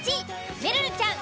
めるるちゃん